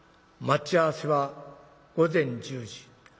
待ち合わせは午前１０時。